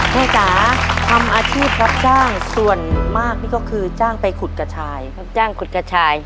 จ๋าทำอาชีพรับจ้างส่วนมากนี่ก็คือจ้างไปขุดกระชายครับจ้างขุดกระชาย